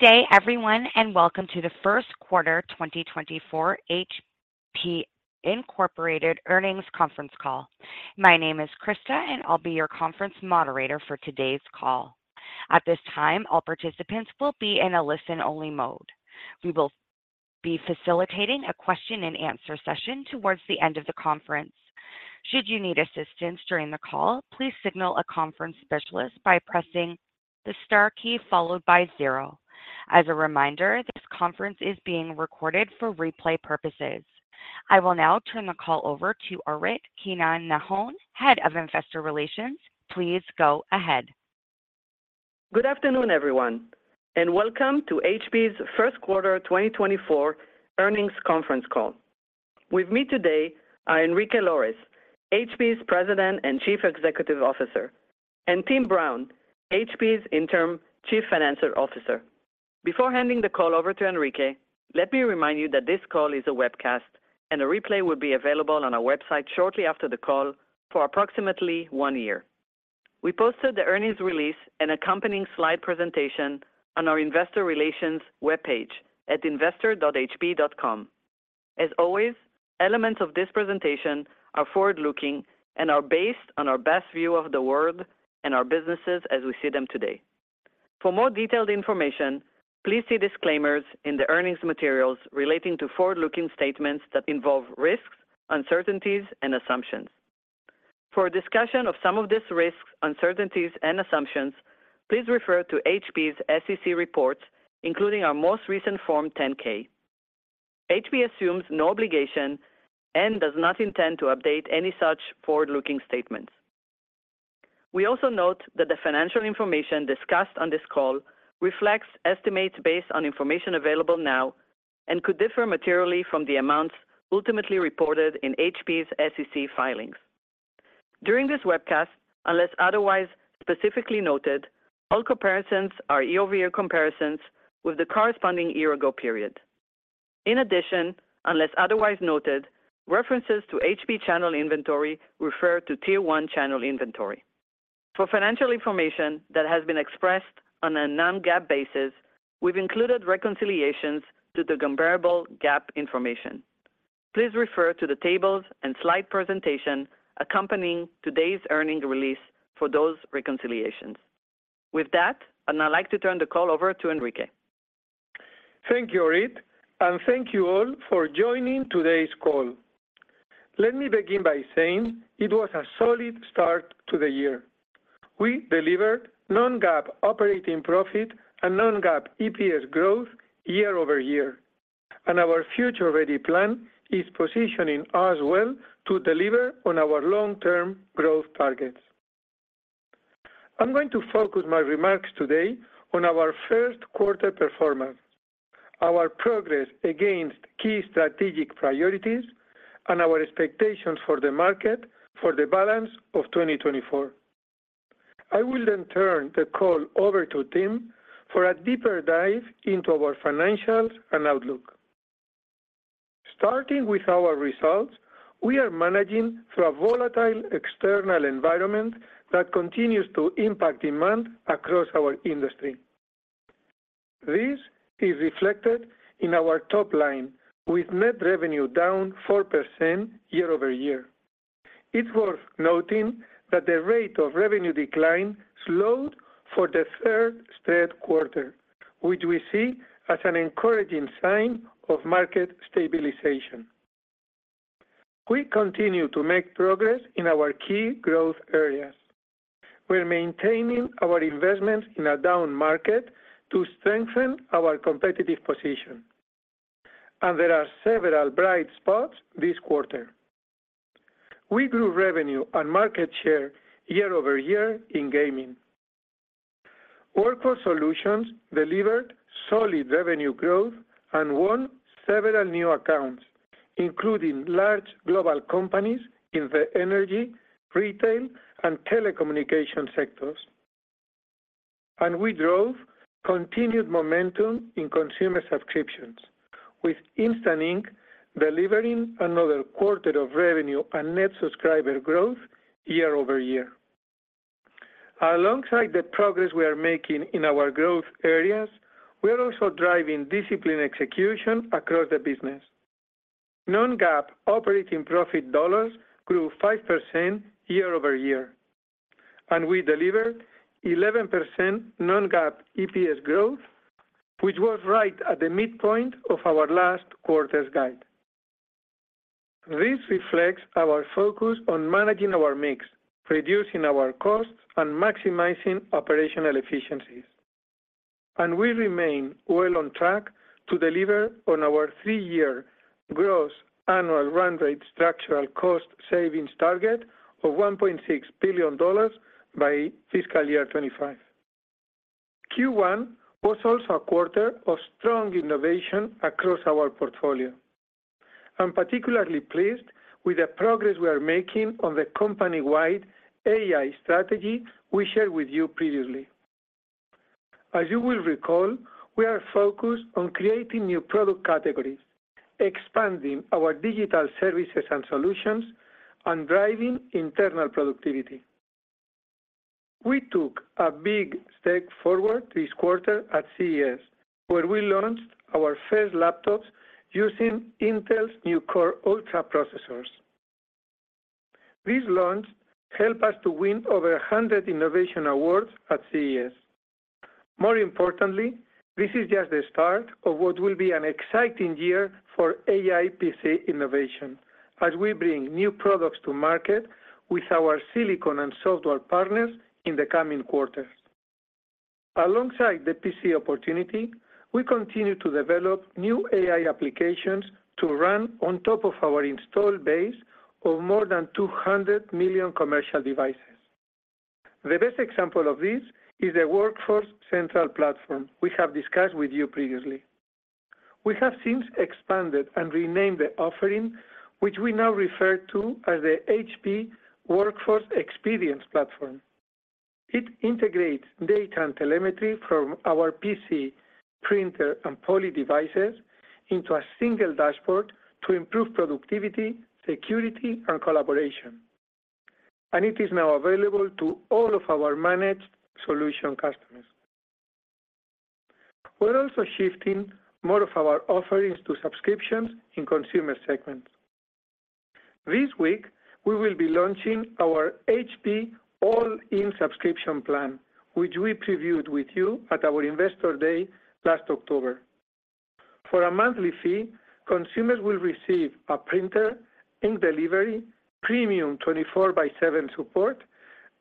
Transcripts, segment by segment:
Good day, everyone, and welcome to the first quarter 2024 HP Incorporated Earnings Conference Call. My name is Krista, and I'll be your conference moderator for today's call. At this time, all participants will be in a listen-only mode. We will be facilitating a question-and-answer session towards the end of the conference. Should you need assistance during the call, please signal a conference specialist by pressing the star key followed by zero. As a reminder, this conference is being recorded for replay purposes. I will now turn the call over to Orit Keinan-Nahon, head of Investor Relations. Please go ahead. Good afternoon, everyone, and welcome to HP's first quarter 2024 Earnings Conference Call. With me today are Enrique Lores, HP's President and Chief Executive Officer, and Tim Brown, HP's Interim Chief Financial Officer. Before handing the call over to Enrique, let me remind you that this call is a webcast, and a replay will be available on our website shortly after the call for approximately 1 year. We posted the earnings release and accompanying slide presentation on our Investor Relations webpage at investor.hp.com. As always, elements of this presentation are forward-looking and are based on our best view of the world and our businesses as we see them today. For more detailed information, please see disclaimers in the earnings materials relating to forward-looking statements that involve risks, uncertainties, and assumptions. For a discussion of some of these risks, uncertainties, and assumptions, please refer to HP's SEC reports, including our most recent Form 10-K. HP assumes no obligation and does not intend to update any such forward-looking statements. We also note that the financial information discussed on this call reflects estimates based on information available now and could differ materially from the amounts ultimately reported in HP's SEC filings. During this webcast, unless otherwise specifically noted, all comparisons are YoY comparisons with the corresponding year-ago period. In addition, unless otherwise noted, references to HP channel inventory refer to Tier 1 channel inventory. For financial information that has been expressed on a non-GAAP basis, we've included reconciliations to the comparable GAAP information. Please refer to the tables and slide presentation accompanying today's earnings release for those reconciliations. With that, I'd now like to turn the call over to Enrique. Thank you, Orit, and thank you all for joining today's call. Let me begin by saying it was a solid start to the year. We delivered non-GAAP operating profit and non-GAAP EPS growth YoY, and our Future Ready plan is positioning us well to deliver on our long-term growth targets. I'm going to focus my remarks today on our first quarter performance, our progress against key strategic priorities, and our expectations for the market for the balance of 2024. I will then turn the call over to Tim for a deeper dive into our financials and outlook. Starting with our results, we are managing through a volatile external environment that continues to impact demand across our industry. This is reflected in our top line, with net revenue down 4% YoY. It's worth noting that the rate of revenue decline slowed for the third straight quarter, which we see as an encouraging sign of market stabilization. We continue to make progress in our key growth areas. We're maintaining our investments in a down market to strengthen our competitive position, and there are several bright spots this quarter. We grew revenue and market share YoY in gaming. Workforce Solutions delivered solid revenue growth and won several new accounts, including large global companies in the energy, retail, and telecommunications sectors. And we drove continued momentum in consumer subscriptions, with Instant Ink delivering another quarter of revenue and net subscriber growth YoY. Alongside the progress we are making in our growth areas, we are also driving disciplined execution across the business. Non-GAAP operating profit dollars grew 5% YoY, and we delivered 11% non-GAAP EPS growth, which was right at the midpoint of our last quarter's guide. This reflects our focus on managing our mix, reducing our costs, and maximizing operational efficiencies. We remain well on track to deliver on our three-year gross annual run-rate structural cost savings target of $1.6 billion by fiscal year 2025. Q1 was also a quarter of strong innovation across our portfolio. I'm particularly pleased with the progress we are making on the company-wide AI strategy we shared with you previously. As you will recall, we are focused on creating new product categories, expanding our digital services and solutions, and driving internal productivity. We took a big step forward this quarter at CES, where we launched our first laptops using Intel's new Core Ultra processors. This launch helped us to win over 100 innovation awards at CES. More importantly, this is just the start of what will be an exciting year for AI PC innovation, as we bring new products to market with our silicon and software partners in the coming quarters. Alongside the PC opportunity, we continue to develop new AI applications to run on top of our installed base of more than 200 million commercial devices. The best example of this is the Workforce Central Platform we have discussed with you previously. We have since expanded and renamed the offering, which we now refer to as the HP Workforce Experience Platform. It integrates data and telemetry from our PC, printer, and Poly devices into a single dashboard to improve productivity, security, and collaboration. It is now available to all of our managed solution customers. We're also shifting more of our offerings to subscriptions in consumer segments. This week, we will be launching our HP All-In subscription plan, which we previewed with you at our Investor Day last October. For a monthly fee, consumers will receive a printer, ink delivery, premium 24x7 support,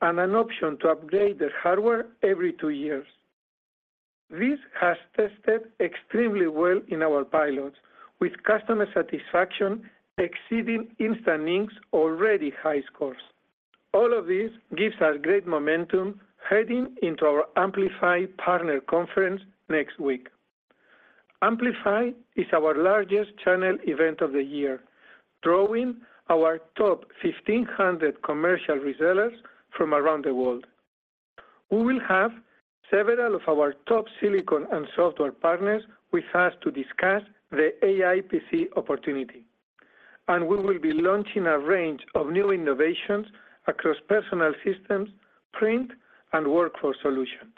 and an option to upgrade their hardware every two years. This has tested extremely well in our pilots, with customer satisfaction exceeding Instant Ink's already high scores. All of this gives us great momentum heading into our Amplify partner conference next week. Amplify is our largest channel event of the year, drawing our top 1,500 commercial resellers from around the world. We will have several of our top silicon and software partners with us to discuss the AI PC opportunity, and we will be launching a range of new innovations across Personal Systems, Print, and Workforce Solutions.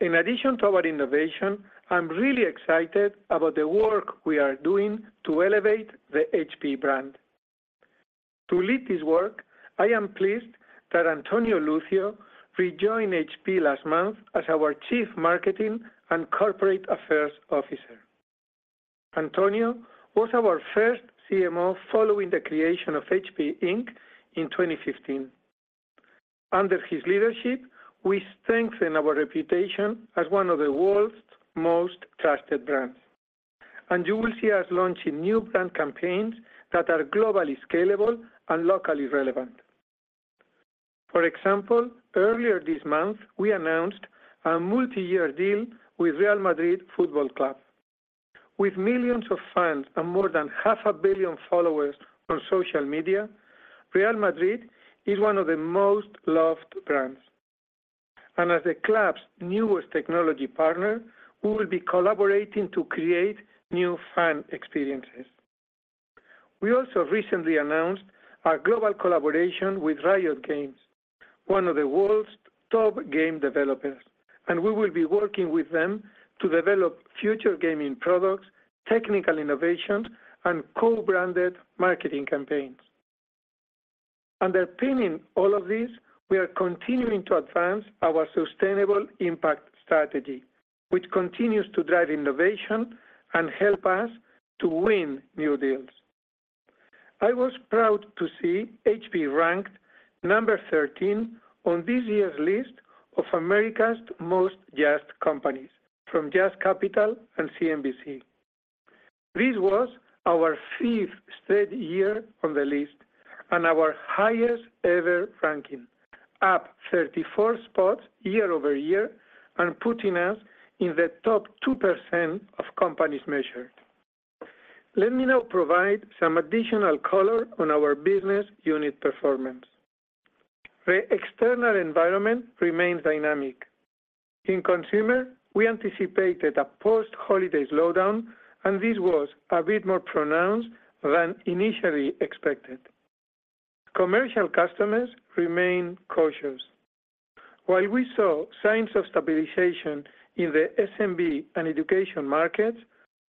In addition to our innovation, I'm really excited about the work we are doing to elevate the HP brand. To lead this work, I am pleased that Antonio Lucio rejoined HP last month as our Chief Marketing and Corporate Affairs Officer. Antonio was our first CMO following the creation of HP Inc. in 2015. Under his leadership, we strengthen our reputation as one of the world's most trusted brands, and you will see us launching new brand campaigns that are globally scalable and locally relevant. For example, earlier this month, we announced a multi-year deal with Real Madrid Football Club. With millions of fans and more than half a billion followers on social media, Real Madrid is one of the most loved brands. As the club's newest technology partner, we will be collaborating to create new fan experiences. We also recently announced our global collaboration with Riot Games, one of the world's top game developers, and we will be working with them to develop future gaming products, technical innovations, and co-branded marketing campaigns. Underpinning all of this, we are continuing to advance our sustainable impact strategy, which continues to drive innovation and help us to win new deals. I was proud to see HP ranked number 13 on this year's list of America's Most JUST Companies from JUST Capital and CNBC. This was our fifth straight year on the list and our highest-ever ranking, up 34 spots YoY, and putting us in the top 2% of companies measured. Let me now provide some additional color on our business unit performance. The external environment remains dynamic. In consumer, we anticipated a post-holiday slowdown, and this was a bit more pronounced than initially expected. Commercial customers remain cautious. While we saw signs of stabilization in the SMB and education markets,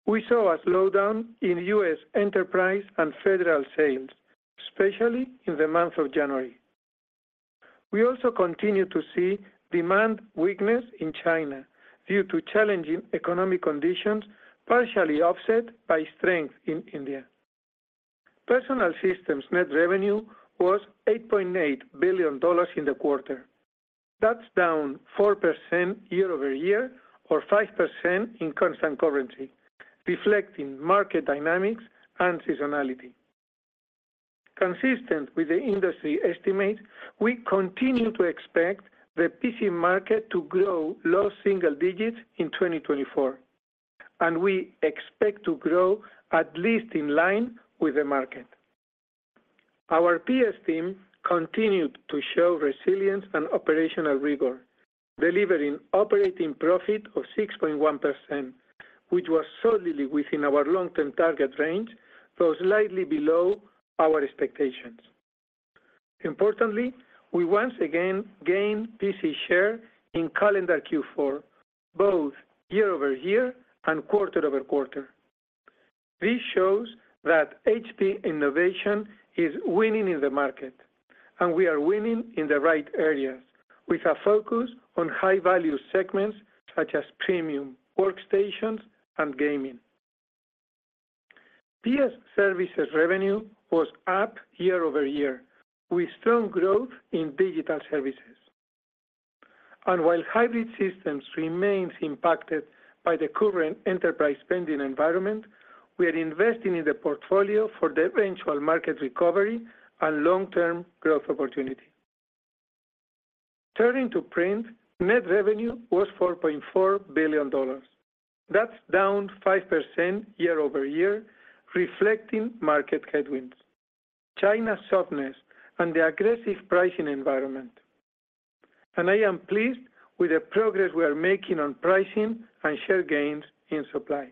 we saw a slowdown in U.S. enterprise and federal sales, especially in the month of January. We also continue to see demand weakness in China due to challenging economic conditions partially offset by strength in India. Personal Systems net revenue was $8.8 billion in the quarter. That's down 4% YoY or 5% in constant currency, reflecting market dynamics and seasonality. Consistent with the industry estimates, we continue to expect the PC market to grow low single digits in 2024, and we expect to grow at least in line with the market. Our PS team continued to show resilience and operational rigor, delivering operating profit of 6.1%, which was solidly within our long-term target range though slightly below our expectations. Importantly, we once again gained PC share in calendar Q4, both YoY and QoQ. This shows that HP innovation is winning in the market, and we are winning in the right areas with a focus on high-value segments such as premium workstations and gaming. PS services revenue was up YoY with strong growth in digital services. While Hybrid Systems remain impacted by the current enterprise spending environment, we are investing in the portfolio for the eventual market recovery and long-term growth opportunity. Turning to print, net revenue was $4.4 billion. That's down 5% YoY, reflecting market headwinds, China's softness, and the aggressive pricing environment. I am pleased with the progress we are making on pricing and share gains in supplies.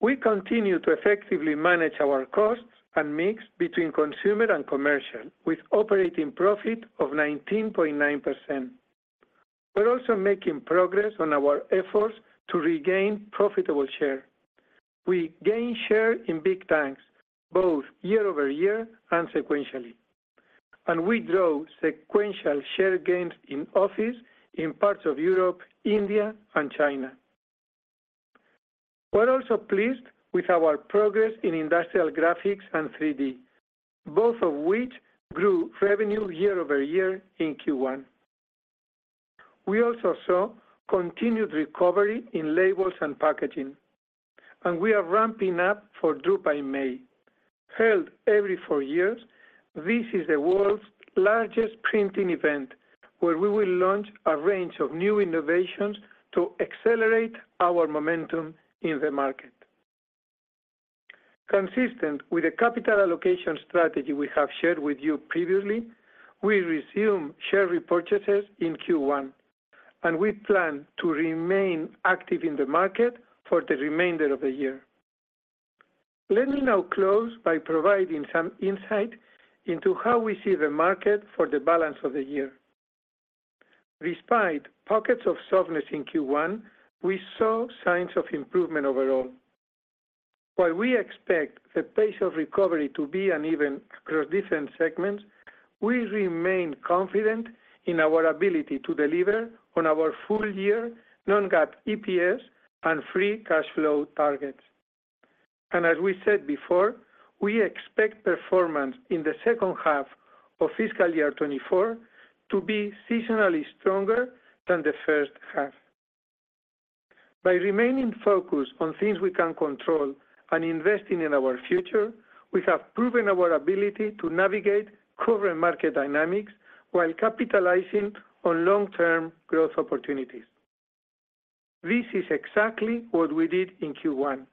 We continue to effectively manage our costs and mix between consumer and commercial with operating profit of 19.9%. We're also making progress on our efforts to regain profitable share. We gain share in big tanks both YoY and sequentially, and we draw sequential share gains in office in parts of Europe, India, and China. We're also pleased with our progress in Industrial Graphics and 3D, both of which grew revenue YoY in Q1. We also saw continued recovery in labels and packaging, and we are ramping up for Drupa in May. Held every four years, this is the world's largest printing event where we will launch a range of new innovations to accelerate our momentum in the market. Consistent with the capital allocation strategy we have shared with you previously, we resume share repurchases in Q1, and we plan to remain active in the market for the remainder of the year. Let me now close by providing some insight into how we see the market for the balance of the year. Despite pockets of softness in Q1, we saw signs of improvement overall. While we expect the pace of recovery to be uneven across different segments, we remain confident in our ability to deliver on our full-year non-GAAP EPS and free cash flow targets. And as we said before, we expect performance in the second half of fiscal year 2024 to be seasonally stronger than the first half. By remaining focused on things we can control and investing in our future, we have proven our ability to navigate current market dynamics while capitalizing on long-term growth opportunities. This is exactly what we did in Q1,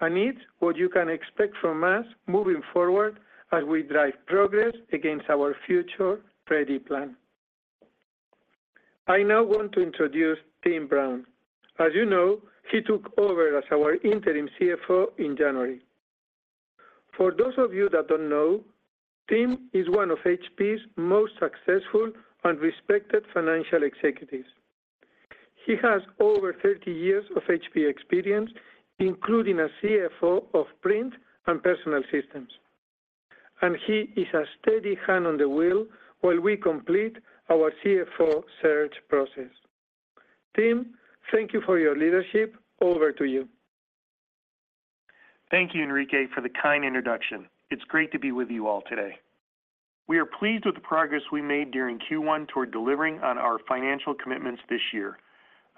and it's what you can expect from us moving forward as we drive progress against our Future Ready plan. I now want to introduce Tim Brown. As you know, he took over as our Interim CFO in January. For those of you that don't know, Tim is one of HP's most successful and respected financial executives. He has over 30 years of HP experience, including as CFO of Print and Personal Systems. He is a steady hand on the wheel while we complete our CFO search process. Tim, thank you for your leadership. Over to you. Thank you, Enrique, for the kind introduction. It's great to be with you all today. We are pleased with the progress we made during Q1 toward delivering on our financial commitments this year.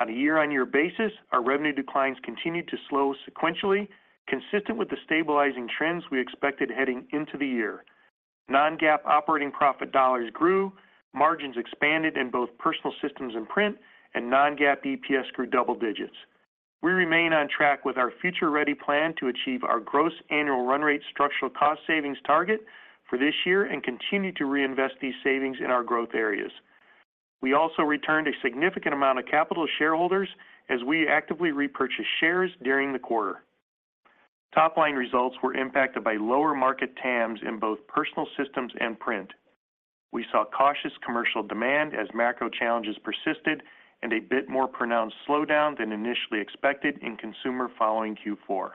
On a YoY basis, our revenue declines continued to slow sequentially, consistent with the stabilizing trends we expected heading into the year. Non-GAAP operating profit dollars grew, margins expanded in both Personal Systems and print, and non-GAAP EPS grew double digits. We remain on track with our Future Ready plan to achieve our gross annual run-rate structural cost savings target for this year and continue to reinvest these savings in our growth areas. We also returned a significant amount of capital to shareholders as we actively repurchased shares during the quarter. Top-line results were impacted by lower market TAMs in both Personal Systems and print. We saw cautious commercial demand as macro challenges persisted and a bit more pronounced slowdown than initially expected in consumer following Q4.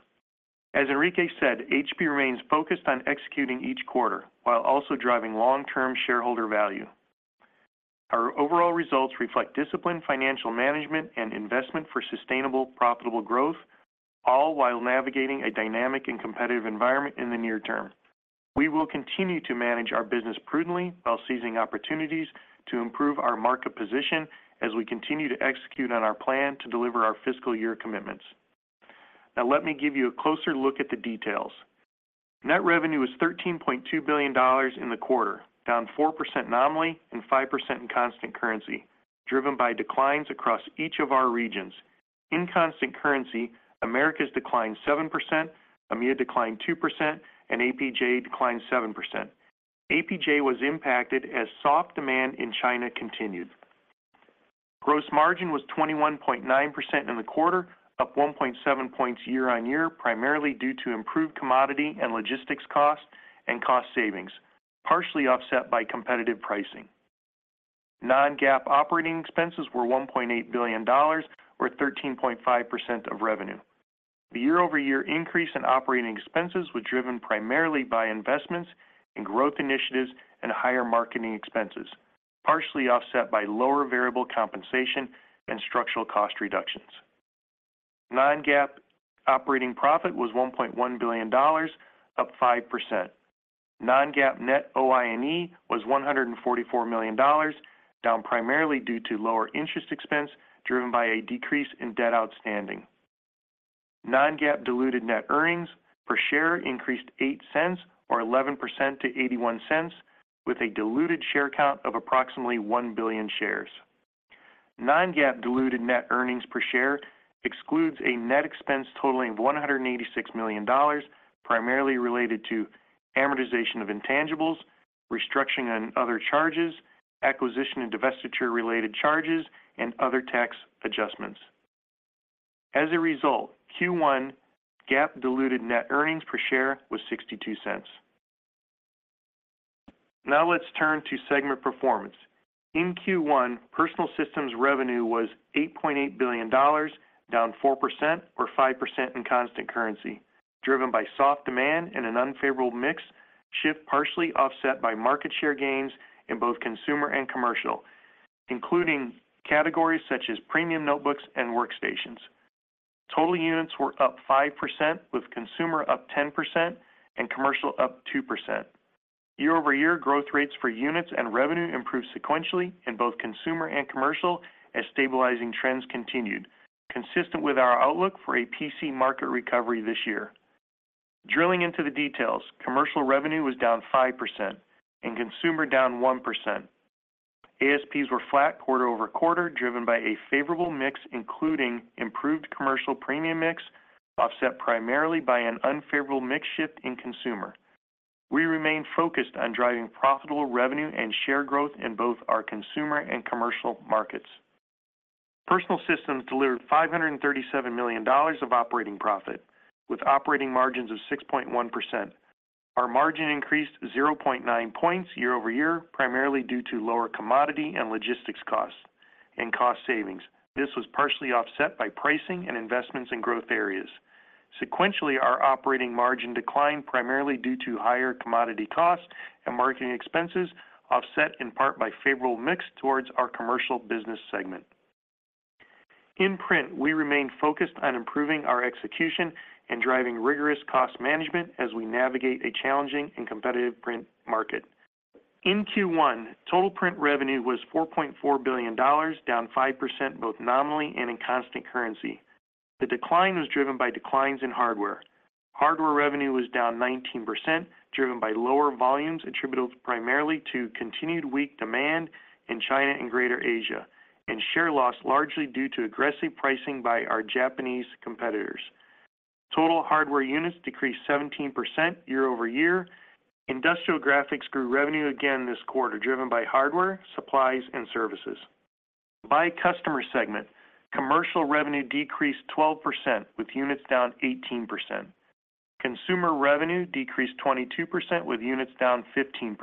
As Enrique said, HP remains focused on executing each quarter while also driving long-term shareholder value. Our overall results reflect disciplined financial management and investment for sustainable, profitable growth, all while navigating a dynamic and competitive environment in the near term. We will continue to manage our business prudently while seizing opportunities to improve our market position as we continue to execute on our plan to deliver our fiscal year commitments. Now, let me give you a closer look at the details. Net revenue was $13.2 billion in the quarter, down 4% nominally and 5% in constant currency, driven by declines across each of our regions. In constant currency, Americas declined 7%, EMEA declined 2%, and APJ declined 7%. APJ was impacted as soft demand in China continued. Gross margin was 21.9% in the quarter, up 1.7 points YoY, primarily due to improved commodity and logistics costs and cost savings, partially offset by competitive pricing. Non-GAAP operating expenses were $1.8 billion or 13.5% of revenue. The YoY increase in operating expenses was driven primarily by investments in growth initiatives and higher marketing expenses, partially offset by lower variable compensation and structural cost reductions. Non-GAAP operating profit was $1.1 billion, up 5%. Non-GAAP Net OI&E was $144 million, down primarily due to lower interest expense driven by a decrease in debt outstanding. Non-GAAP diluted net earnings per share increased 8 cents or 11% to 81 cents, with a diluted share count of approximately 1 billion shares. Non-GAAP diluted net earnings per share excludes a net expense totaling $186 million, primarily related to amortization of intangibles, restructuring and other charges, acquisition and divestiture-related charges, and other tax adjustments. As a result, Q1 GAAP diluted net earnings per share was $0.62. Now, let's turn to segment performance. In Q1, Personal Systems revenue was $8.8 billion, down 4% or 5% in constant currency, driven by soft demand and an unfavorable mix shift partially offset by market share gains in both consumer and commercial, including categories such as premium notebooks and workstations. Total units were up 5%, with consumer up 10% and commercial up 2%. YoY, growth rates for units and revenue improved sequentially in both consumer and commercial as stabilizing trends continued, consistent with our outlook for a PC market recovery this year. Drilling into the details, commercial revenue was down 5% and consumer down 1%. ASPs were flat QoQ, driven by a favorable mix including improved commercial premium mix, offset primarily by an unfavorable mix shift in consumer. We remain focused on driving profitable revenue and share growth in both our consumer and commercial markets. Personal Systems delivered $537 million of operating profit, with operating margins of 6.1%. Our margin increased 0.9 points YoY, primarily due to lower commodity and logistics costs and cost savings. This was partially offset by pricing and investments in growth areas. Sequentially, our operating margin declined primarily due to higher commodity costs and marketing expenses, offset in part by favorable mix towards our commercial business segment. In Print, we remain focused on improving our execution and driving rigorous cost management as we navigate a challenging and competitive Print market. In Q1, total Print revenue was $4.4 billion, down 5% both nominally and in constant currency. The decline was driven by declines in hardware. Hardware revenue was down 19%, driven by lower volumes attributed primarily to continued weak demand in China and Greater Asia and share loss largely due to aggressive pricing by our Japanese competitors. Total hardware units decreased 17% YoY. Industrial Graphics grew revenue again this quarter, driven by hardware, supplies, and services. By customer segment, commercial revenue decreased 12%, with units down 18%. Consumer revenue decreased 22%, with units down 15%.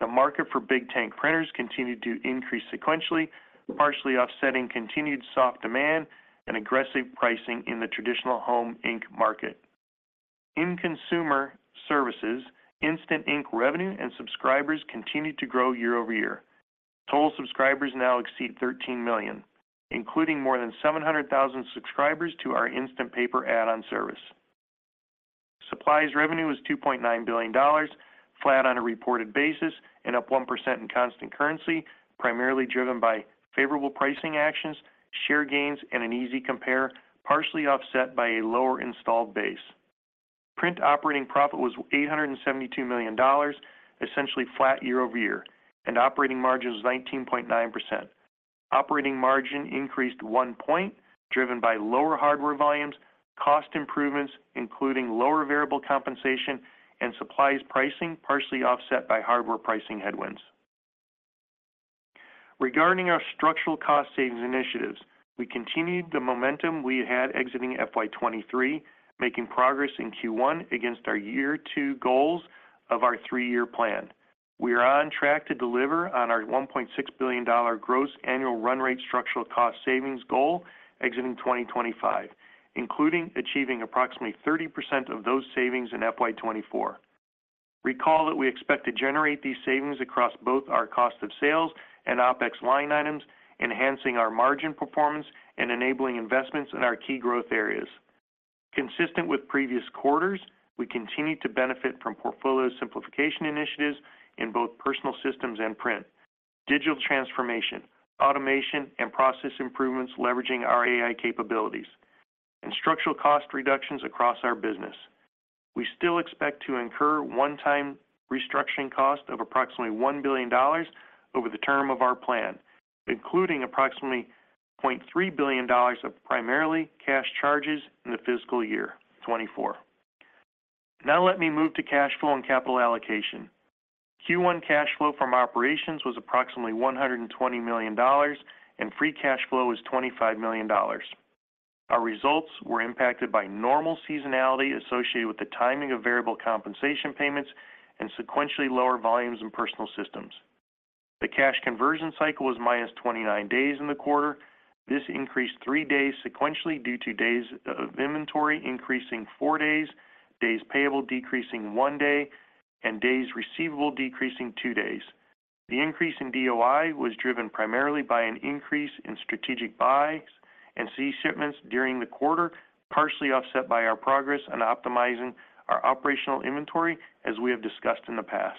The market for big tank printers continued to increase sequentially, partially offsetting continued soft demand and aggressive pricing in the traditional home ink market. In consumer services, Instant Ink revenue and subscribers continued to grow YoY. Total subscribers now exceed 13 million, including more than 700,000 subscribers to our Instant Paper add-on service. Supplies revenue was $2.9 billion, flat on a reported basis and up 1% in constant currency, primarily driven by favorable pricing actions, share gains, and an easy compare, partially offset by a lower installed base. Print operating profit was $872 million, essentially flat YoY, and operating margin was 19.9%. Operating margin increased 1 point, driven by lower hardware volumes, cost improvements including lower variable compensation, and supplies pricing, partially offset by hardware pricing headwinds. Regarding our structural cost savings initiatives, we continued the momentum we had exiting FY23, making progress in Q1 against our year two goals of our three-year plan. We are on track to deliver on our $1.6 billion gross annual run-rate structural cost savings goal exiting 2025, including achieving approximately 30% of those savings in FY24. Recall that we expect to generate these savings across both our cost of sales and OpEx line items, enhancing our margin performance and enabling investments in our key growth areas. Consistent with previous quarters, we continue to benefit from portfolio simplification initiatives in both Personal Systems and Print, digital transformation, automation, and process improvements leveraging our AI capabilities, and structural cost reductions across our business. We still expect to incur one-time restructuring cost of approximately $1 billion over the term of our plan, including approximately $0.3 billion of primarily cash charges in the FY 2024. Now, let me move to cash flow and capital allocation. Q1 cash flow from operations was approximately $120 million, and free cash flow was $25 million. Our results were impacted by normal seasonality associated with the timing of variable compensation payments and sequentially lower volumes in Personal Systems. The cash conversion cycle was -29 days in the quarter. This increased 3 days sequentially due to days of inventory increasing 4 days, days payable decreasing 1 day, and days receivable decreasing 2 days. The increase in DOI was driven primarily by an increase in strategic buys and sea shipments during the quarter, partially offset by our progress on optimizing our operational inventory, as we have discussed in the past.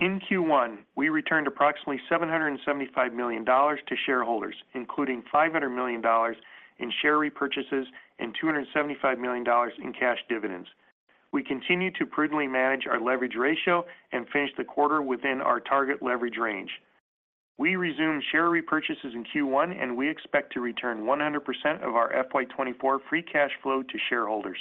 In Q1, we returned approximately $775 million to shareholders, including $500 million in share repurchases and $275 million in cash dividends. We continue to prudently manage our leverage ratio and finish the quarter within our target leverage range. We resume share repurchases in Q1, and we expect to return 100% of our FY2024 free cash flow to shareholders.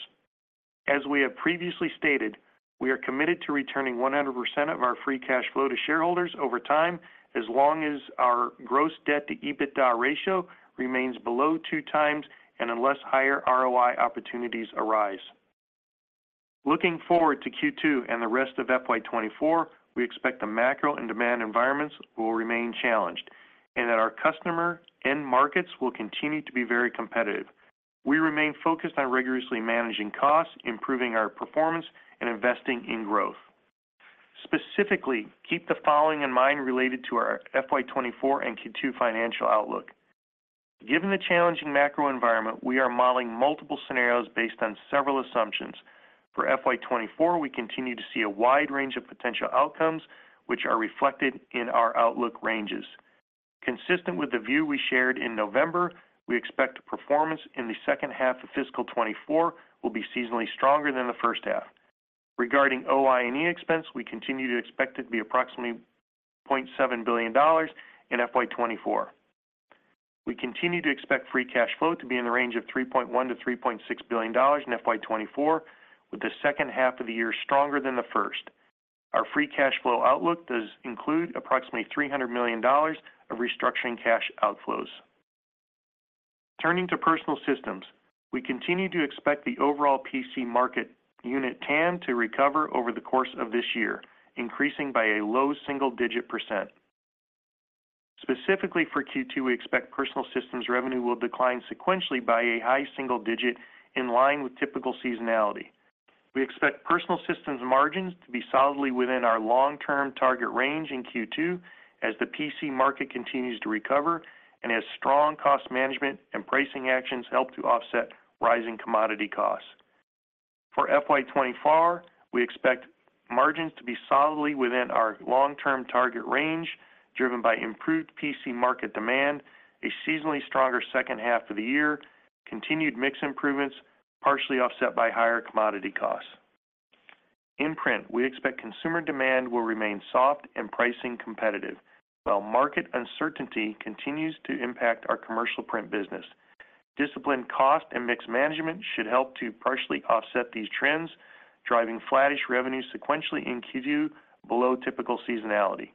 As we have previously stated, we are committed to returning 100% of our Free Cash Flow to shareholders over time as long as our gross debt to EBITDA ratio remains below 2x and unless higher ROI opportunities arise. Looking forward to Q2 and the rest of FY24, we expect the macro and demand environments will remain challenged and that our customer end markets will continue to be very competitive. We remain focused on rigorously managing costs, improving our performance, and investing in growth. Specifically, keep the following in mind related to our FY24 and Q2 financial outlook. Given the challenging macro environment, we are modeling multiple scenarios based on several assumptions. For FY24, we continue to see a wide range of potential outcomes, which are reflected in our outlook ranges. Consistent with the view we shared in November, we expect performance in the second half of fiscal 2024 will be seasonally stronger than the first half. Regarding OI&E expense, we continue to expect it to be approximately $0.7 billion in FY 2024. We continue to expect free cash flow to be in the range of $3.1-$3.6 billion in FY 2024, with the second half of the year stronger than the first. Our free cash flow outlook does include approximately $300 million of restructuring cash outflows. Turning to Personal Systems, we continue to expect the overall PC market unit TAM to recover over the course of this year, increasing by a low single-digit percent. Specifically for Q2, we expect Personal Systems revenue will decline sequentially by a high single-digit percent in line with typical seasonality. We expect Personal Systems margins to be solidly within our long-term target range in Q2 as the PC market continues to recover and as strong cost management and pricing actions help to offset rising commodity costs. For FY24, we expect margins to be solidly within our long-term target range, driven by improved PC market demand, a seasonally stronger second half of the year, continued mix improvements, partially offset by higher commodity costs. In Print, we expect consumer demand will remain soft and pricing competitive, while market uncertainty continues to impact our commercial Print business. Disciplined cost and mix management should help to partially offset these trends, driving flattish revenue sequentially in Q2 below typical seasonality.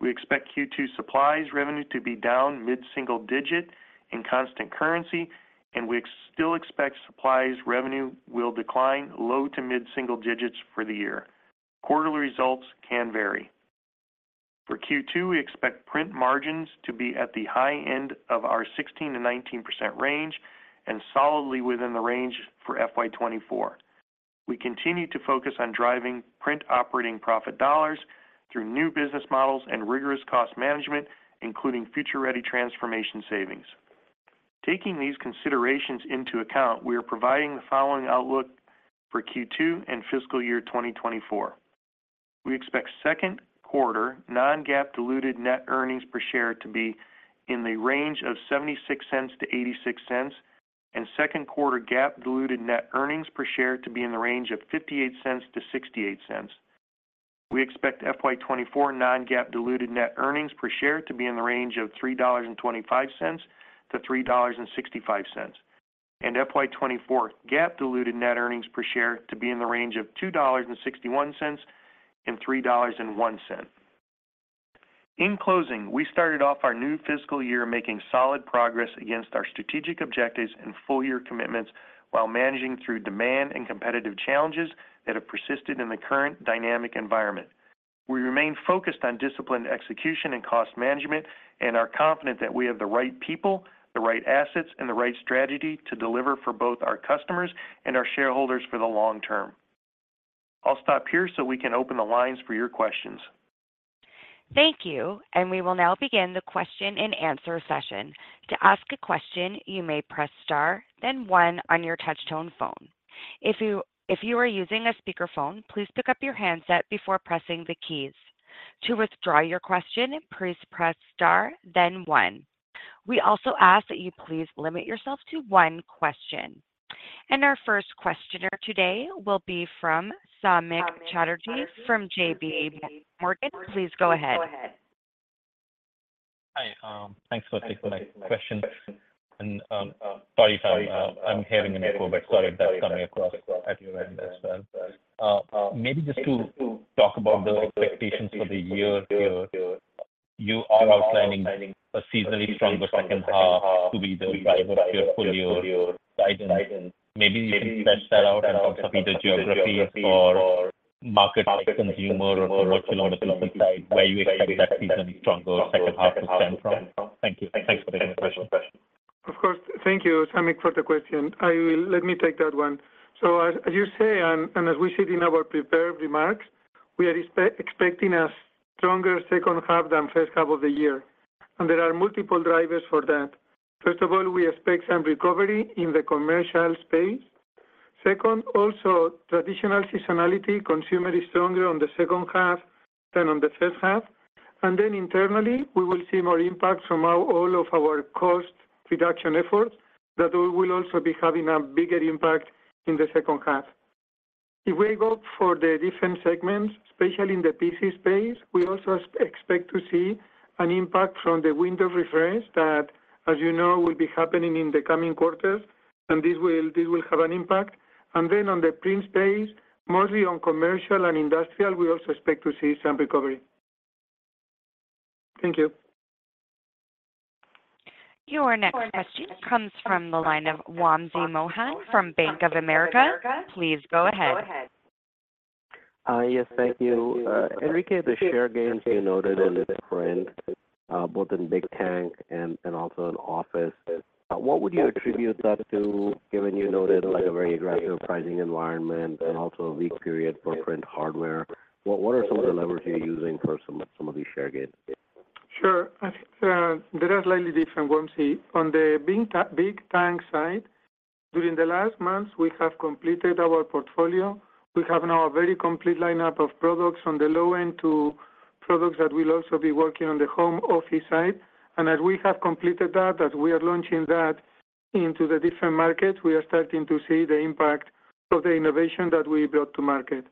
We expect Q2 supplies revenue to be down mid-single digit in constant currency, and we still expect supplies revenue will decline low to mid-single digits for the year. Quarterly results can vary. For Q2, we expect Print margins to be at the high end of our 16%-19% range and solidly within the range for FY24. We continue to focus on driving Print operating profit dollars through new business models and rigorous cost management, including Future Ready transformation savings. Taking these considerations into account, we are providing the following outlook for Q2 and FY 2024. We expect second quarter non-GAAP diluted net earnings per share to be in the range of $0.76-$0.86, and second quarter GAAP diluted net earnings per share to be in the range of $0.58-$0.68. We expect FY24 non-GAAP diluted net earnings per share to be in the range of $3.25-$3.65, and FY24 GAAP diluted net earnings per share to be in the range of $2.61 and $3.01. In closing, we started off our new fiscal year making solid progress against our strategic objectives and full-year commitments while managing through demand and competitive challenges that have persisted in the current dynamic environment. We remain focused on disciplined execution and cost management and are confident that we have the right people, the right assets, and the right strategy to deliver for both our customers and our shareholders for the long term. I'll stop here so we can open the lines for your questions. Thank you. We will now begin the question and answer session. To ask a question, you may press star, then one on your touch-tone phone. If you are using a speakerphone, please pick up your handset before pressing the keys. To withdraw your question, please press star, then one. We also ask that you please limit yourself to one question. Our first questioner today will be from Samik Chatterjee from J.P. Morgan. Please go ahead. Hi. Thanks for taking my question. And sorry if I'm having an echo, but sorry if that's coming across at your end as well. Maybe just to talk about the expectations for the year here. You are outlining a seasonally stronger second half to be the driver of your full-year guidance. Maybe you can flesh that out in terms of either geography or market consumer or commercial on the people side, where you expect that seasonally stronger second half to stem from. Thank you. Thanks for taking my question. Of course. Thank you, Samik, for the question. Let me take that one. So as you say, and as we said in our prepared remarks, we are expecting a stronger second half than first half of the year. There are multiple drivers for that. First of all, we expect some recovery in the commercial space. Second, also, traditional seasonality consumer is stronger on the second half than on the first half. Then internally, we will see more impact from all of our cost reduction efforts that will also be having a bigger impact in the second half. If we go for the different segments, especially in the PC space, we also expect to see an impact from the Windows refresh that, as you know, will be happening in the coming quarters. This will have an impact. Then on the Print space, mostly on commercial and industrial, we also expect to see some recovery. Thank you. Your next question comes from the line of Wamsi Mohan from Bank of America. Please go ahead. Yes. Thank you. Enrique, the share gains you noted in the Print, both in Big Tank and also in office, what would you attribute that to, given you noted a very aggressive pricing environment and also a weak period for Print hardware? What are some of the levers you're using for some of these share gains? Sure. There are slightly different, Wamsi. On the Big Tank side, during the last months, we have completed our portfolio. We have now a very complete lineup of products on the low end to products that we'll also be working on the home office side. And as we have completed that, as we are launching that into the different markets, we are starting to see the impact of the innovation that we brought to market.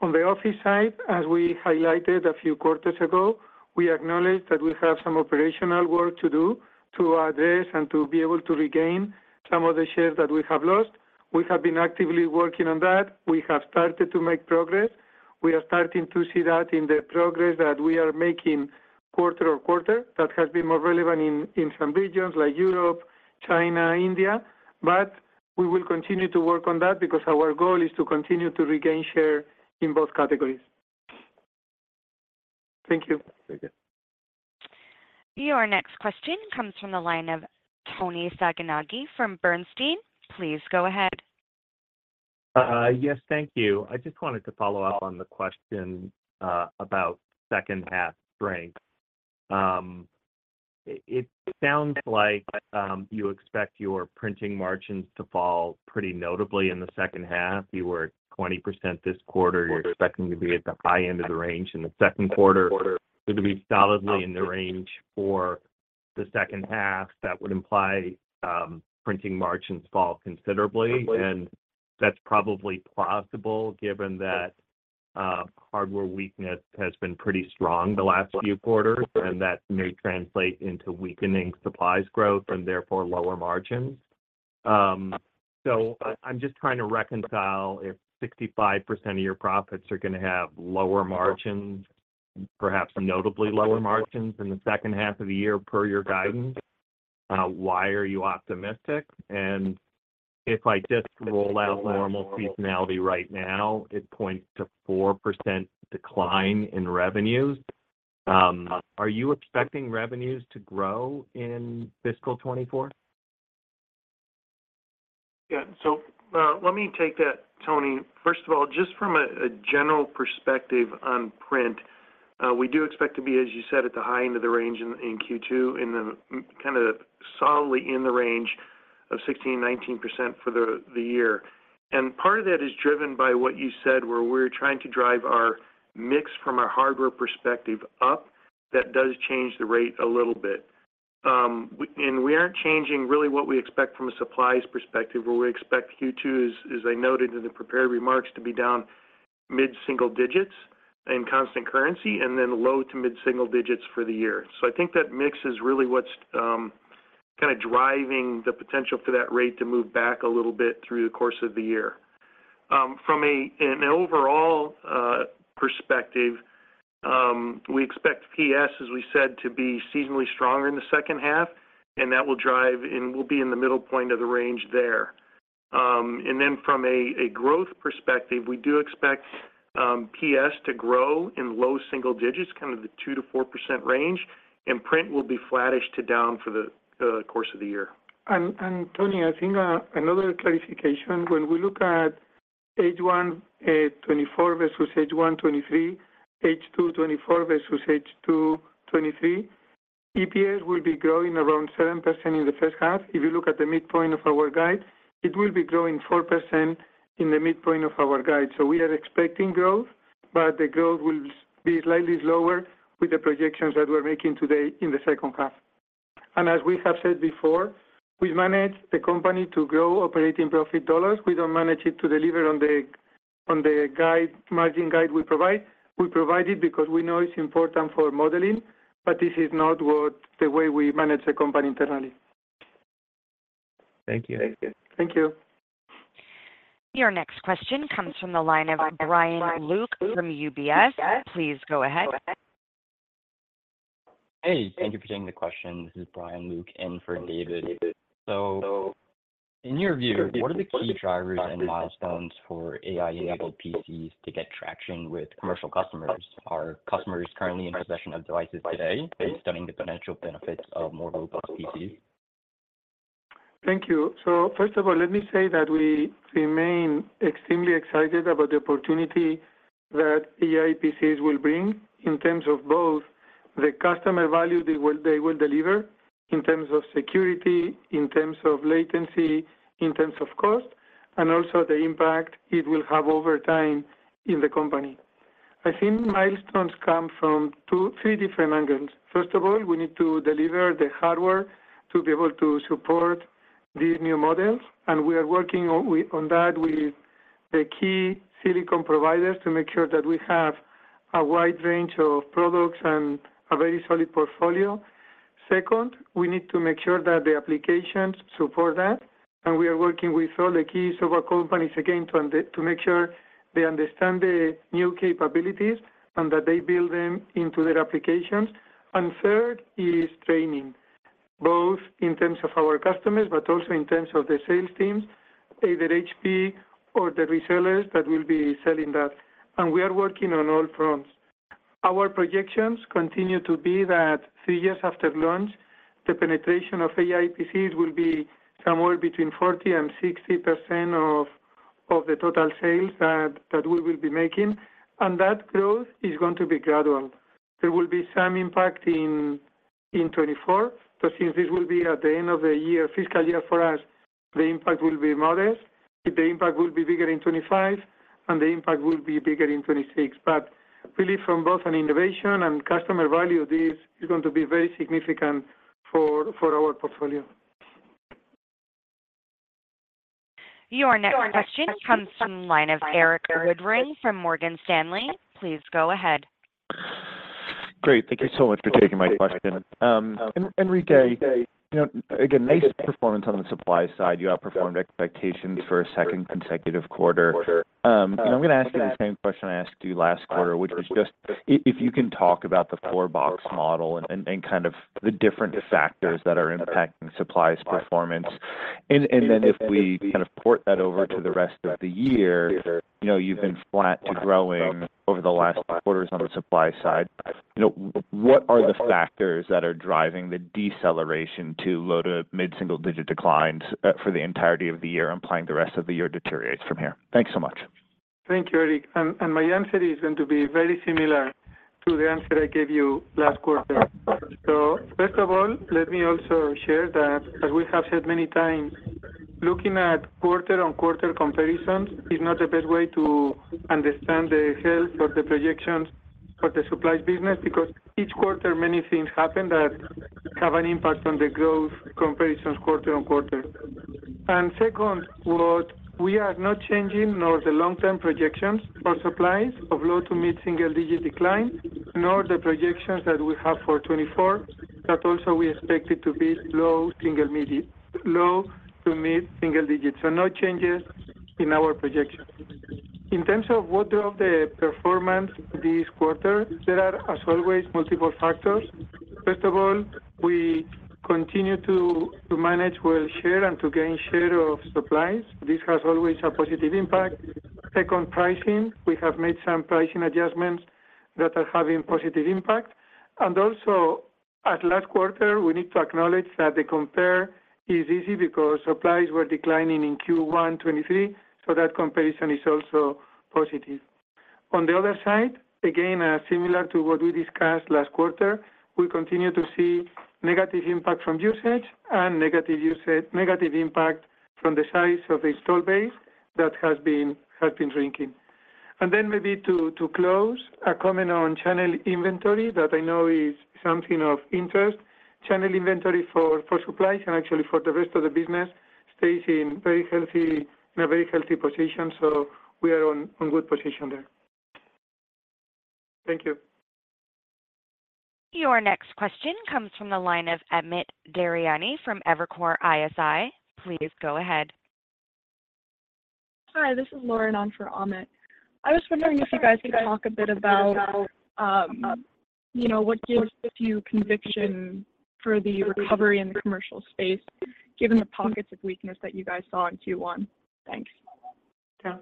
On the office side, as we highlighted a few quarters ago, we acknowledge that we have some operational work to do to address and to be able to regain some of the shares that we have lost. We have been actively working on that. We have started to make progress. We are starting to see that in the progress that we are making QoQ that has been more relevant in some regions like Europe, China, India. But we will continue to work on that because our goal is to continue to regain share in both categories. Thank you. Thank you. Your next question comes from the line of Toni Sacconaghi from Bernstein. Please go ahead. Yes. Thank you. I just wanted to follow up on the question about second half strength. It sounds like you expect your printing margins to fall pretty notably in the second half. You were at 20% this quarter. You're expecting to be at the high end of the range in the second quarter. So to be solidly in the range for the second half, that would imply printing margins fall considerably. And that's probably plausible given that hardware weakness has been pretty strong the last few quarters, and that may translate into weakening supplies growth and therefore lower margins. So I'm just trying to reconcile if 65% of your profits are going to have lower margins, perhaps notably lower margins in the second half of the year per your guidance, why are you optimistic? If I just roll out normal seasonality right now, it points to 4% decline in revenues. Are you expecting revenues to grow in fiscal 2024? Yeah. So let me take that, Toni. First of all, just from a general perspective on Print, we do expect to be, as you said, at the high end of the range in Q2, kind of solidly in the range of 16%-19% for the year. And part of that is driven by what you said where we're trying to drive our mix from our hardware perspective up that does change the rate a little bit. And we aren't changing really what we expect from a supplies perspective, where we expect Q2, as I noted in the prepared remarks, to be down mid-single digits in constant currency and then low to mid-single digits for the year. So I think that mix is really what's kind of driving the potential for that rate to move back a little bit through the course of the year. From an overall perspective, we expect PS, as we said, to be seasonally stronger in the second half, and that will drive and will be in the middle point of the range there. And then from a growth perspective, we do expect PS to grow in low single digits, kind of the 2%-4% range, and Print will be flattish to down for the course of the year. Toni, I think another clarification. When we look at H124 versus H123, H224 versus H223, EPS will be growing around 7% in the first half. If you look at the midpoint of our guide, it will be growing 4% in the midpoint of our guide. We are expecting growth, but the growth will be slightly slower with the projections that we're making today in the second half. As we have said before, we manage the company to grow operating profit dollars. We don't manage it to deliver on the margin guide we provide. We provide it because we know it's important for modeling, but this is not the way we manage the company internally. Thank you. Thank you. Thank you. Your next question comes from the line of Brian Luke from UBS. Please go ahead. Hey. Thank you for taking the question. This is Brian Luke in for David. So in your view, what are the key drivers and milestones for AI-enabled PCs to get traction with commercial customers? Are customers currently in possession of devices today and studying the potential benefits of more robust PCs? Thank you. So first of all, let me say that we remain extremely excited about the opportunity that AI PCs will bring in terms of both the customer value they will deliver, in terms of security, in terms of latency, in terms of cost, and also the impact it will have over time in the company. I think milestones come from three different angles. First of all, we need to deliver the hardware to be able to support these new models. And we are working on that with the key silicon providers to make sure that we have a wide range of products and a very solid portfolio. Second, we need to make sure that the applications support that. And we are working with all the keys of our companies, again, to make sure they understand the new capabilities and that they build them into their applications. Third is training, both in terms of our customers, but also in terms of the sales teams, either HP or the resellers that will be selling that. We are working on all fronts. Our projections continue to be that three years after launch, the penetration of AI PCs will be somewhere between 40% and 60% of the total sales that we will be making. That growth is going to be gradual. There will be some impact in 2024. So since this will be at the end of the fiscal year for us, the impact will be modest. The impact will be bigger in 2025, and the impact will be bigger in 2026. But really, from both an innovation and customer value, this is going to be very significant for our portfolio. Your next question comes from the line of Erik Woodring from Morgan Stanley. Please go ahead. Great. Thank you so much for taking my question. Enrique, again, nice performance on the supply side. You outperformed expectations for a second consecutive quarter. I'm going to ask you the same question I asked you last quarter, which was just if you can talk about the four-box model and kind of the different factors that are impacting supplies performance. And then if we kind of port that over to the rest of the year, you've been flat to growing over the last quarters on the supply side. What are the factors that are driving the deceleration to low- to mid-single-digit declines for the entirety of the year, implying the rest of the year deteriorates from here? Thanks so much. Thank you, Erik. My answer is going to be very similar to the answer I gave you last quarter. First of all, let me also share that, as we have said many times, looking at QoQ comparisons is not the best way to understand the health of the projections for the supplies business because each quarter, many things happen that have an impact on the growth comparisons QoQ. Second, we are not changing nor the long-term projections for supplies of low- to mid-single-digit decline, nor the projections that we have for 2024 that also we expected to be low- to mid-single digits. No changes in our projections. In terms of what drove the performance this quarter, there are, as always, multiple factors. First of all, we continue to manage well share and to gain share of supplies. This has always a positive impact. Second, pricing. We have made some pricing adjustments that are having positive impact. And also, as last quarter, we need to acknowledge that the compare is easy because supplies were declining in Q1 2023. So that comparison is also positive. On the other side, again, similar to what we discussed last quarter, we continue to see negative impact from usage and negative impact from the size of the installed base that has been shrinking. And then maybe to close, a comment on channel inventory that I know is something of interest. Channel inventory for supplies and actually for the rest of the business stays in a very healthy position. So we are in good position there. Thank you. Your next question comes from the line of Amit Daryanani from Evercore ISI. Please go ahead. Hi. This is Lauren on for Amit. I was wondering if you guys could talk a bit about what gives you conviction for the recovery in the commercial space, given the pockets of weakness that you guys saw in Q1? Thanks. Yeah.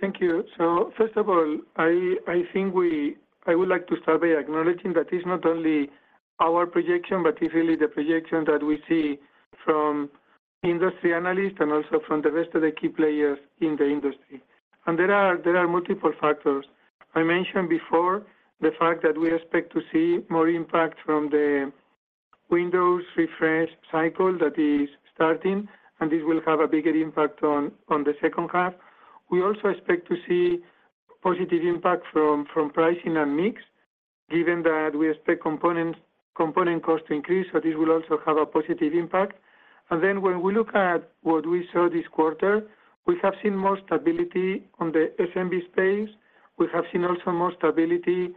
Thank you. So first of all, I think I would like to start by acknowledging that it's not only our projection, but it's really the projection that we see from industry analysts and also from the rest of the key players in the industry. There are multiple factors. I mentioned before the fact that we expect to see more impact from the Windows refresh cycle that is starting, and this will have a bigger impact on the second half. We also expect to see positive impact from pricing and mix, given that we expect component cost to increase. So this will also have a positive impact. Then when we look at what we saw this quarter, we have seen more stability on the SMB space. We have seen also more stability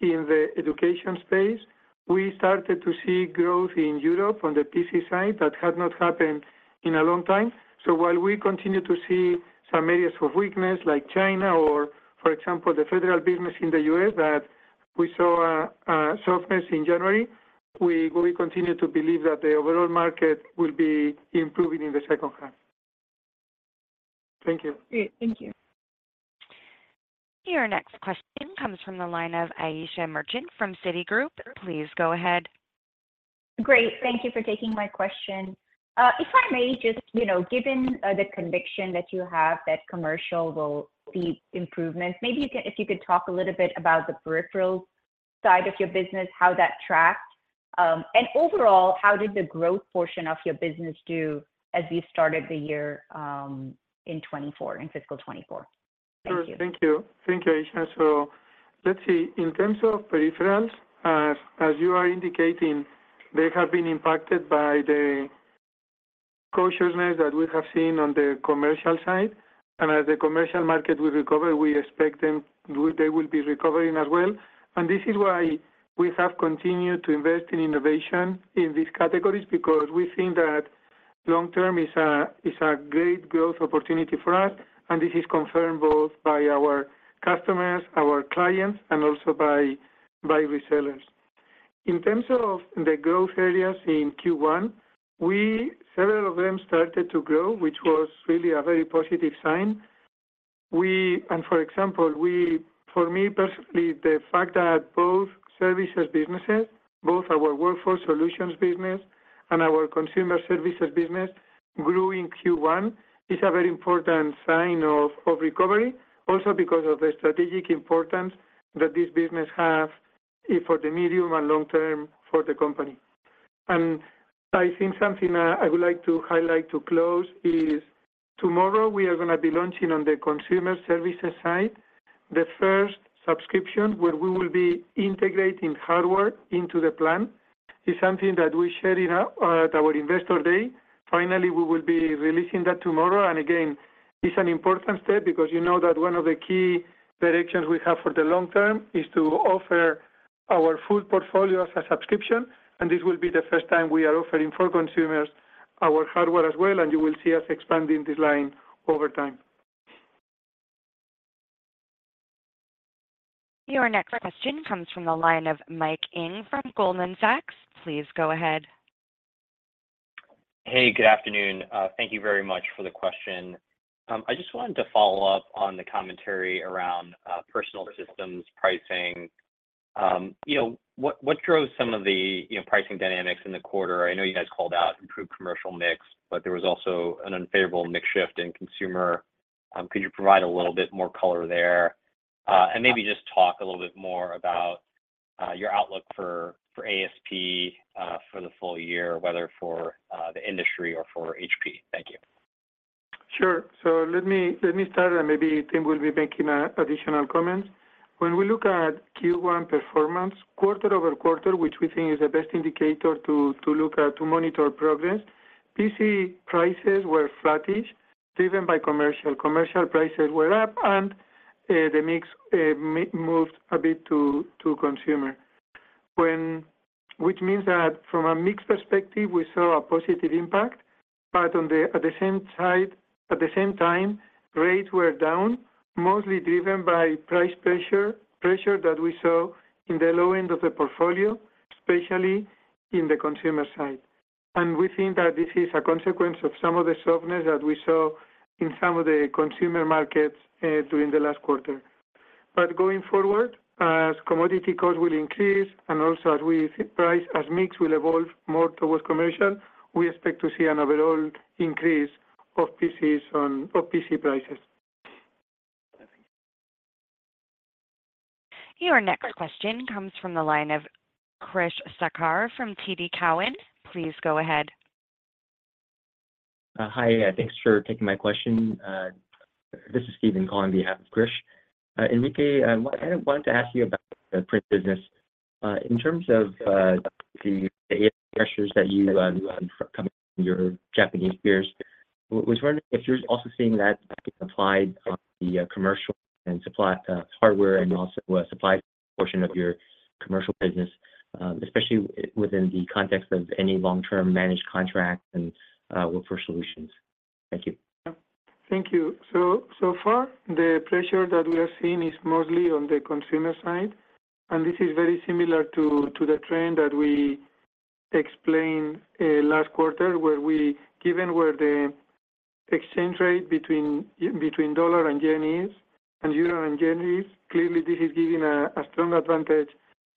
in the education space. We started to see growth in Europe on the PC side that had not happened in a long time. So while we continue to see some areas of weakness like China or, for example, the federal business in the US that we saw a softness in January, we continue to believe that the overall market will be improving in the second half. Thank you. Great. Thank you. Your next question comes from the line of Asiya Merchant from Citigroup. Please go ahead. Great. Thank you for taking my question. If I may, just given the conviction that you have that commercial will see improvements, maybe if you could talk a little bit about the peripheral side of your business, how that tracked, and overall, how did the growth portion of your business do as you started the year in 2024, in fiscal 2024? Thank you. Sure. Thank you. Thank you, Asiya. So let's see. In terms of peripherals, as you are indicating, they have been impacted by the cautiousness that we have seen on the commercial side. As the commercial market will recover, we expect they will be recovering as well. This is why we have continued to invest in innovation in these categories because we think that long-term is a great growth opportunity for us. This is confirmed both by our customers, our clients, and also by resellers. In terms of the growth areas in Q1, several of them started to grow, which was really a very positive sign. For example, for me personally, the fact that both services businesses, both our Workforce Solutions business and our consumer services business grew in Q1 is a very important sign of recovery, also because of the strategic importance that this business has for the medium- and long-term for the company. I think something I would like to highlight to close is tomorrow, we are going to be launching on the consumer services side. The first subscription where we will be integrating hardware into the plan is something that we shared at our investor day. Finally, we will be releasing that tomorrow. Again, it's an important step because you know that one of the key directions we have for the long-term is to offer our full portfolio as a subscription. This will be the first time we are offering for consumers our hardware as well. You will see us expanding this line over time. Your next question comes from the line of Mike Ng from Goldman Sachs. Please go ahead. Hey. Good afternoon. Thank you very much for the question. I just wanted to follow up on the commentary around Personal Systems pricing. What drove some of the pricing dynamics in the quarter? I know you guys called out improved commercial mix, but there was also an unfavorable mix shift in consumer. Could you provide a little bit more color there and maybe just talk a little bit more about your outlook for ASP for the full year, whether for the industry or for HP? Thank you. Sure. So let me start, and maybe Tim will be making additional comments. When we look at Q1 performance, QoQ, which we think is the best indicator to monitor progress, PC prices were flattish driven by commercial. Commercial prices were up, and the mix moved a bit to consumer, which means that from a mixed perspective, we saw a positive impact. But at the same time, rates were down, mostly driven by price pressure that we saw in the low end of the portfolio, especially in the consumer side. And we think that this is a consequence of some of the softness that we saw in some of the consumer markets during the last quarter. But going forward, as commodity costs will increase and also as we think price as mix will evolve more towards commercial, we expect to see an overall increase of PC prices. Your next question comes from the line of Krish Sankar from TD Cowen. Please go ahead. Hi. Thanks for taking my question. This is Steven Koh on behalf of Krish. Enrique, I wanted to ask you about the Print business. In terms of the AI pressures that you're coming from your Japanese peers, I was wondering if you're also seeing that applied on the commercial and hardware and also supplies portion of your commercial business, especially within the context of any long-term managed contract and Workforce Solutions. Thank you. Yeah. Thank you. So far, the pressure that we are seeing is mostly on the consumer side. And this is very similar to the trend that we explained last quarter, given where the exchange rate between dollar and yen is and euro and yen is. Clearly, this is giving a strong advantage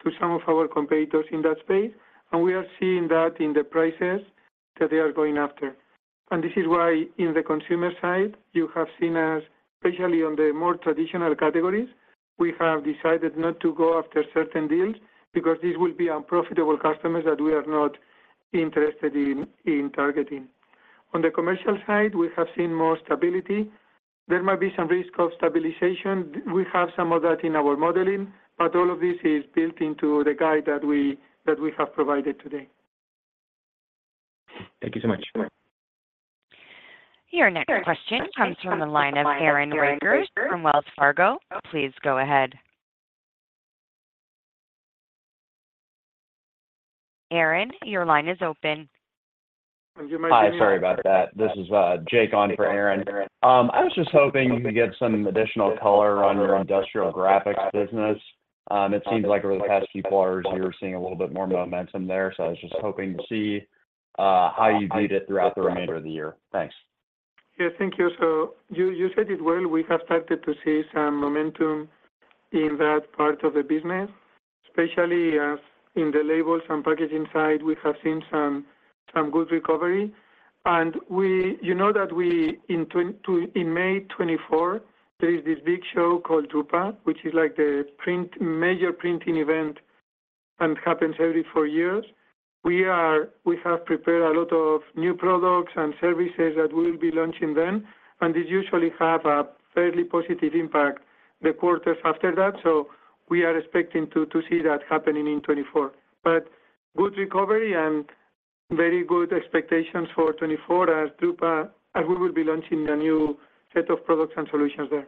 to some of our competitors in that space. And we are seeing that in the prices that they are going after. And this is why in the consumer side, you have seen us, especially on the more traditional categories, we have decided not to go after certain deals because this will be unprofitable customers that we are not interested in targeting. On the commercial side, we have seen more stability. There might be some risk of stabilization. We have some of that in our modeling, but all of this is built into the guide that we have provided today. Thank you so much. Your next question comes from the line of Aaron Rakers from Wells Fargo. Please go ahead. Aaron, your line is open. Hi. Sorry about that. This is Jake on for Aaron. I was just hoping you could get some additional color on your Industrial Graphics business. It seems like over the past few quarters, you were seeing a little bit more momentum there. So I was just hoping to see how you viewed it throughout the remainder of the year. Thanks. Yeah. Thank you. So you said it well. We have started to see some momentum in that part of the business, especially in the labels and packaging side. We have seen some good recovery. And you know that in May 2024, there is this big show called Drupa, which is the major printing event and happens every four years. We have prepared a lot of new products and services that we will be launching then. And this usually has a fairly positive impact the quarters after that. So we are expecting to see that happening in 2024. But good recovery and very good expectations for 2024 as we will be launching a new set of products and solutions there.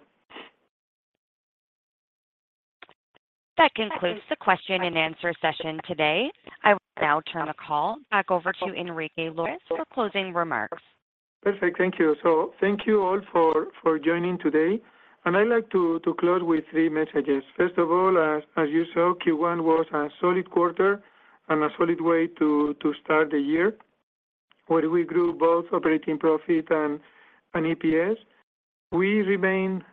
That concludes the Q and A session today. I will now turn the call back over to Enrique Lores for closing remarks. Perfect. Thank you. So thank you all for joining today. I'd like to close with three messages. First of all, as you saw, Q1 was a solid quarter and a solid way to start the year where we grew both operating profit and EPS. We remain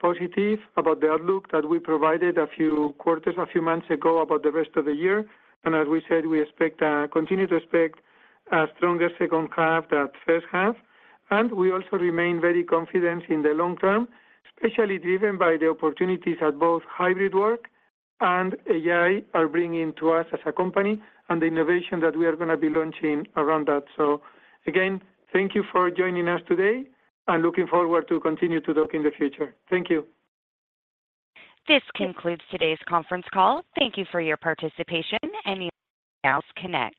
positive about the outlook that we provided a few months ago about the rest of the year. As we said, we continue to expect a stronger second half than first half. We also remain very confident in the long-term, especially driven by the opportunities that both hybrid work and AI are bringing to us as a company and the innovation that we are going to be launching around that. So again, thank you for joining us today and looking forward to continue to talk in the future. Thank you. This concludes today's conference call. Thank you for your participation. You may now disconnect.